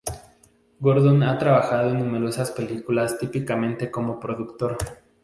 Gordon ha trabajado en numerosas películas, típicamente como productor.